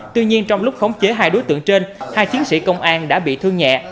tuy nhiên trong lúc khống chế hai đối tượng trên hai chiến sĩ công an đã bị thương nhẹ